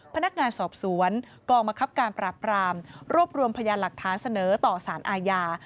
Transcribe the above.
พนักงานสอบสวนกองมะครับการปราบรามรวบรวมพยานหลักฐานเสนอต่อสารอาญา